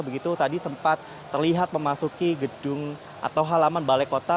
begitu tadi sempat terlihat memasuki gedung atau halaman balai kota